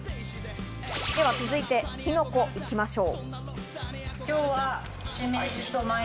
では続いてキノコ、行きましょう。